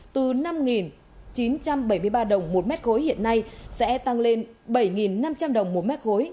từ năm chín trăm bảy mươi ba đồng một mét khối hiện nay sẽ tăng lên bảy năm trăm linh đồng một mét khối